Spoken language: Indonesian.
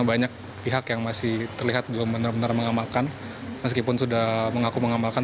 banyak pihak yang masih terlihat belum benar benar mengamalkan meskipun sudah mengaku mengamalkan